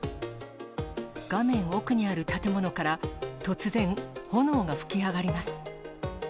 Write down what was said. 画面奥にある建物から、突然、炎が噴き上がります。